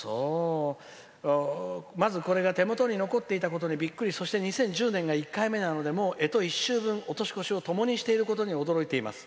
「まず、これが手元に残っていたことにびっくり、そして、２０１０年が１回目なのでえと１週分、ともにしていることに驚いています」。